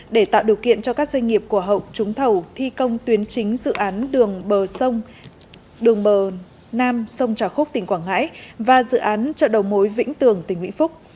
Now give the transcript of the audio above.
để tạo điều kiện cho các doanh nghiệp của hậu trúng thầu thi công tuyến chính dự án đường bờ sông đường bờ nam sông trà khúc tỉnh quảng ngãi và dự án chợ đầu mối vĩnh tường tỉnh vĩnh phúc